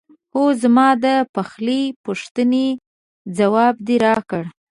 هو زما د خپلې پوښتنې ځواب دې راکړ؟